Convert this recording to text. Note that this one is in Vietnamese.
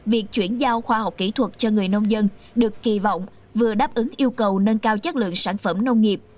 việc chuyển giao khoa học kỹ thuật cho người nông dân được kỳ vọng vừa đáp ứng yêu cầu nâng cao chất lượng sản phẩm nông nghiệp